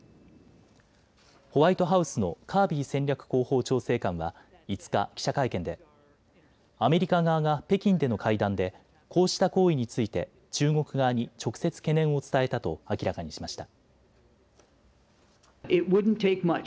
ホワイトハウスのカービー戦略広報調整官は５日、記者会見でアメリカ側が北京での会談でこうした行為について中国側に直接、懸念を伝えたと明らかにしました。